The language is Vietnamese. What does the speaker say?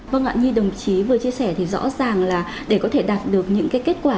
vâng ạ như đồng chí vừa chia sẻ thì rõ ràng là để có thể đạt được những cái kết quả